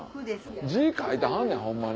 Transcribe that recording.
字書いてはんのやホンマに。